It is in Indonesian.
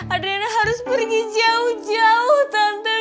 adriana harus pergi jauh jauh tante